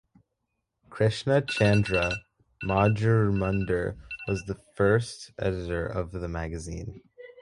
Krishna Chandra Majumder was the first editor of the magazine.